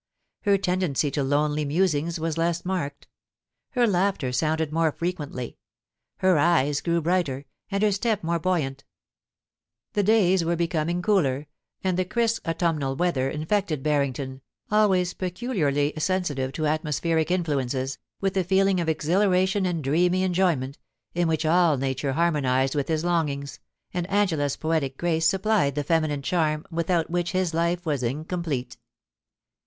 Her tendency to lonely musings was less marked ; her laughter sounded more frequently ; her eyes grew brighter, and her step more buoyant The da)rs were becoming cooler, and the crisp autumnal weather infected Barrington, always peculiarly sensitive ta atmospheric influences, with a feeling of exhilaration and dreamy enjoyment, in which all nature harmonised with his longings, and Angela's poetic grace supplied the feminine charm without which his life was incomplete.